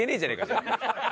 じゃあ。